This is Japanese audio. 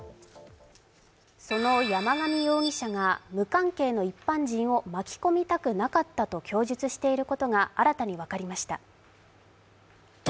その山上容疑者が無関係の一般人を巻き込みたくなかったと供述していることが新たに分かりました。